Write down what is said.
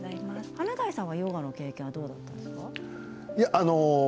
華大さんはヨガの経験は、どうですか？